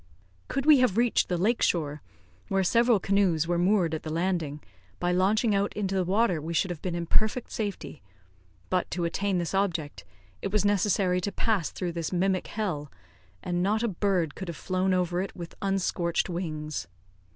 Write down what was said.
Could we have reached the lake shore, where several canoes were moored at the landing, by launching out into the water we should have been in perfect safety; but, to attain this object, it was necessary to pass through this mimic hell; and not a bird could have flown over it with unscorched wings.